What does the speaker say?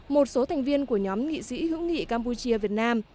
một số thành viên của nhóm nghị sĩ hữu nghị campuchia việt nam